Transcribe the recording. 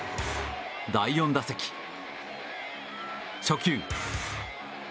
第４打席、初球。